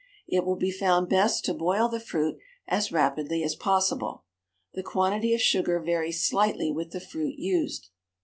It will be found best to boil the fruit as rapidly as possible. The quantity of sugar varies slightly with the fruit used.